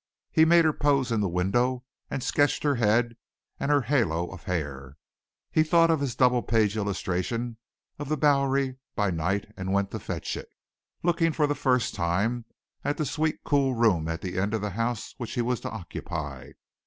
He made her pose in the window and sketched her head and her halo of hair. He thought of his double page illustration of the Bowery by night and went to fetch it, looking for the first time at the sweet cool room at the end of the house which he was to occupy.